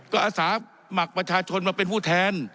ก็อาสาสมัครประชาชนมาเป็นผู้แทน